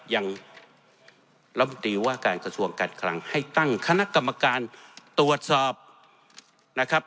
ยังรัฐมนตรีว่าการกระทรวงการคลังให้ตั้งคณะกรรมการตรวจสอบนะครับ